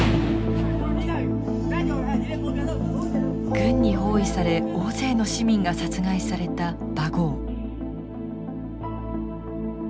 軍に包囲され大勢の市民が殺害されたバゴー。